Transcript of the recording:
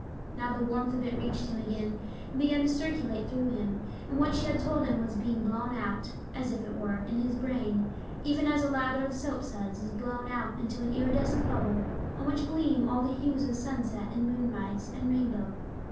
Now the warmth of it reached him again, and began to circulate through him. And what she had told him was being blown out, as it were, in his brain, even as a lather of soapsuds is blown out into an iridescent bubble, on which gleam all the hues of sunset and moonrise and rainbow.